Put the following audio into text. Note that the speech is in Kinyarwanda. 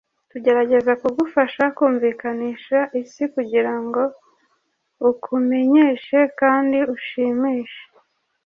tugerageza kugufasha kumvikanisha isi kugirango ukumenyeshe kandi ushimishe